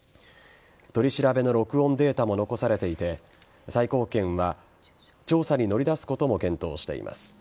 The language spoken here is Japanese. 取り調べの録音データも残されていて最高検は調査に乗り出すことも検討しています。